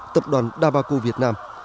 tập đoàn dabaco việt nam